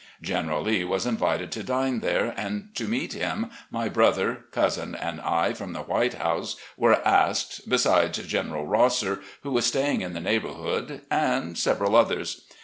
General Lee was invited to dine there, and to meet him my brother, cousin and I, from the White House, were asked, besides General Rosser, who was sta}dng in the neighbourhood, and several others.